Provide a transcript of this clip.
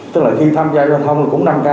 tức là khi tham gia giao thông cũng năm k